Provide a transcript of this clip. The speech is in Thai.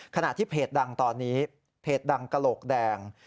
ขณะที่เพจดังตอนนี้เพจดังกระโหลกแดง